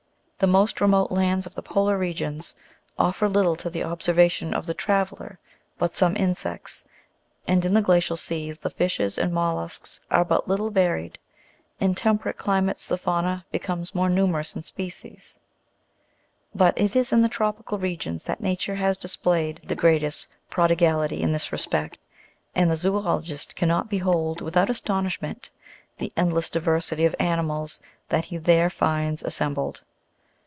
The most remote lands of the polar regions offer little to the observation of the traveller but some insects, and in the glacial seas the fishes and mollusks are but little va ried ; in temperate climates the fauna becomes more numerous in species ; but it is in tropical regions that nature has displayed the greatest prodigality in this respect, and the zoologist cannot behold without astonishment the endless diversity of animals that he there finds assembled.